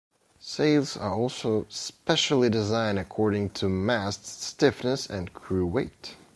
Sails are also specially designed according to mast stiffness and crew weight.